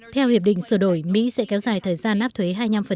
theo hiệp định sở đổi mỹ sẽ kéo dài thời gian áp thuế hai mươi năm